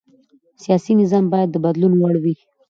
سیاسي نظام باید د بدلون وړ وي